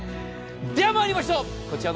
では参りましょう。